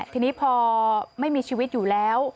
ทีนี้พอไม่มีชีวิตอยู่แล้ว